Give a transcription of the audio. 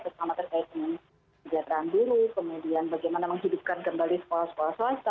terutama terkait dengan kejahteraan guru kemudian bagaimana menghidupkan kembali sekolah sekolah swasta